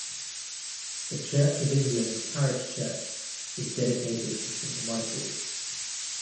The Church of England Parish Church is dedicated to Saint Michael.